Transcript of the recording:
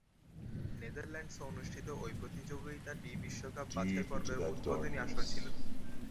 নেদারল্যান্ডসে অনুষ্ঠিত ঐ প্রতিযোগিতাটি বিশ্বকাপ বাছাইপর্বের উদ্বোধনী আসর ছিল।